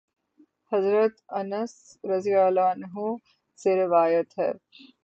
حضرت انس رضی اللہ عنہ سے روایت ہے